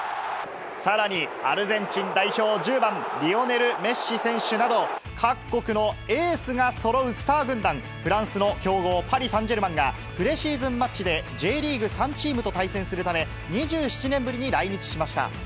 さらにアルゼンチン代表、１０番リオネル・メッシ選手など、各国のエースがそろうスター軍団、フランスの強豪、パリサンジェルマンがプレシーズンマッチで、Ｊリーグ３チームと対戦するため、２７年ぶりに来日しました。